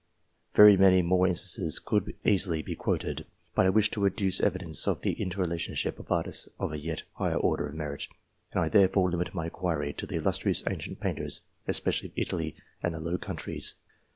Very many more instances could easily be quoted. But I wish to adduce evidence of the inter relationship of artists of a yet higher order of merit, and I therefore limit my inquiry to the illustrious ancient painters, especially of Italy and the Low Countries.